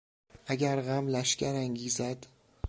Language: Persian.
اگر غم لشگر انگیزد....